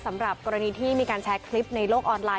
สำหรับกรณีที่มีการแชร์คลิปในโลกออนไลน